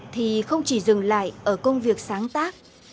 thì không chỉ dừng lại ở công việc sáng tác